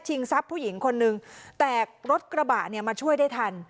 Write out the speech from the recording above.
ทรัพย์ผู้หญิงคนนึงแตกรถกระบะเนี่ยมาช่วยได้ทัน